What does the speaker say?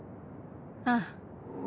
ああ。